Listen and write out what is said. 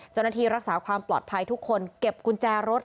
เจ้าหน้าที่รักษาความปลอดภัยทุกคนเก็บกุญแจรถ